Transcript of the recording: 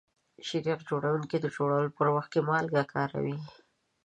شیریخ جوړونکي د جوړولو په وخت کې مالګه کاروي.